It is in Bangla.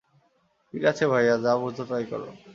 ঠিক আছে ভাইয়া, যা বুঝো তাই করো।